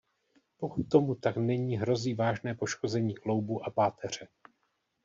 Pokud tomu tak není hrozí vážné poškození kloubů a páteře.